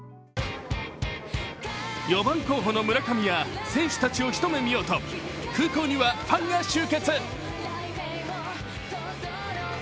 ４番候補の村上や選手たちを一目見ようと空港にはファンが集結。